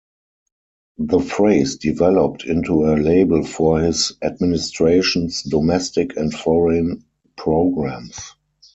The phrase developed into a label for his administration's domestic and foreign programs.